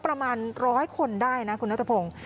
ประมาณ๑๐๐คนได้นะคุณรัฐพงษ์